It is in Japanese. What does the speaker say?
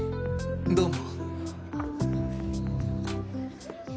どうも。